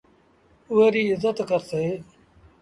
اُئي ريٚ ازت ڪرسي۔